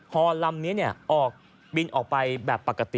ฮอลำนี้ออกบินออกไปแบบปกติ